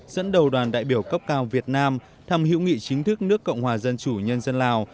dẫn đầu đoàn đại biểu cấp cao việt nam thăm hữu nghị chính thức nước cộng hòa dân chủ nhân dân lào